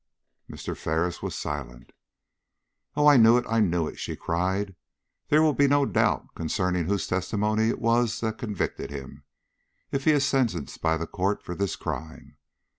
Mr. Ferris was silent. "Oh, I knew it, I knew it!" she cried. "There will be no doubt concerning whose testimony it was that convicted him, if he is sentenced by the court for this crime.